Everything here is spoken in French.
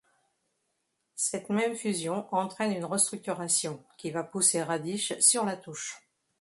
Cette même fusion entraine une restructuration, qui va pousser Radish sur la touche.